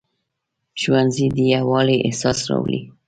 ښوونځی د یووالي احساس راولي